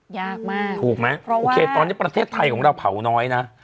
ยากมากถูกไหมโอเคตอนนี้ประเทศไทยของเราเผาน้อยนะ